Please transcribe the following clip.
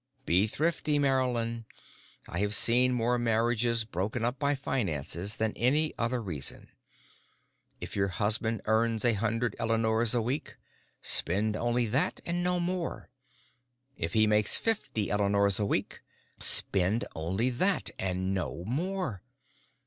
Be thrifty, Marylyn. I have seen more marriages broken up by finances than any other reason. If your husband earns a hundred Eleanors a week, spend only that and no more. If he makes fifty Eleanors a week spend only that and no more.